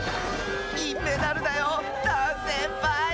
きんメダルだよダンせんぱい！